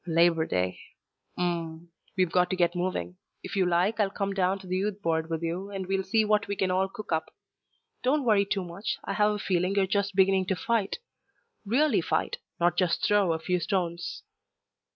"Labor Day. Hm m. We've got to get moving. If you like, I'll come down to the Youth Board with you, and we'll see what we can all cook up. Don't worry too much. I have a feeling you're just beginning to fight—really fight, not just throw a few stones."